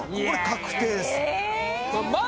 これ確定ですいや